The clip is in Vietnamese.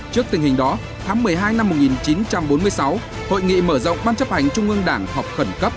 trước tình hình đó tháng một mươi hai năm một nghìn chín trăm bốn mươi sáu hội nghị mở rộng ban chấp hành trung ương đảng họp khẩn cấp